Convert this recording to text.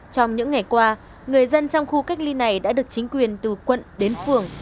trong những ngày qua người dân trong khu cách ly này đã được chính quyền từ quận đến phường